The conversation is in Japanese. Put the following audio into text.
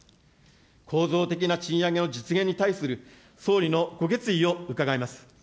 構造的な賃上げの実現に対する、総理のご決意を伺います。